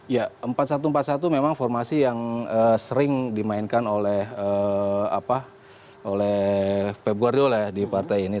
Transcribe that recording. ya empat satu empat satu memang formasi yang sering dimainkan oleh februari di partai ini